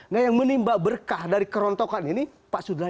nah yang menimba berkah dari kerontokan ini pak sudha